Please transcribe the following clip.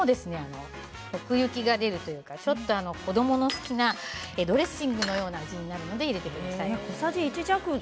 奥行きが出るというか子どもの好きなドレッシングのような味になるので入れてください。